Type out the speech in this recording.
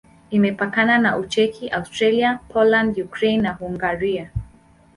Imepakana na Ucheki, Austria, Poland, Ukraine na Hungaria.